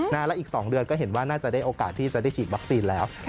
และอีก๒เดือนก็เห็นว่าน่าจะได้โอกาสที่จะได้ฉีดวัคซีนแล้ว